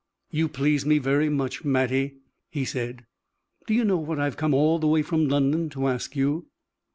"You please me very much, Mattie," he said. "Do you know what I have come all the way from London to ask you?"